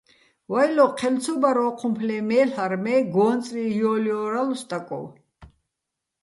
ვაჲლო ჴელ ცო ბარ ო́ჴუმფლეჼ მე́ლ'არ, მე გო́ნწლი ჲო́ლჲო́რალო̆ სტაკოვ.